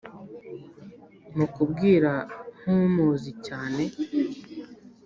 mukubwira nk’umuzi cyzne